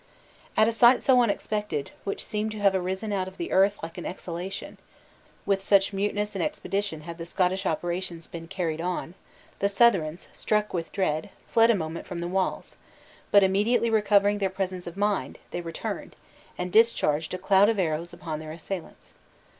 At a sight so unexpected, which seemed to have arisen out of the earth like an exhalation (with such muteness and expedition had the Scottish operations been carried on), the Southrons, struck with dread, fled a moment from the walls; but immediately recovering their presence of mind, they returned, and discharged a cloud of arrows upon their assailants.